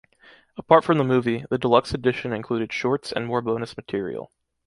Apart from the movie, the deluxe edition included shorts and more bonus material.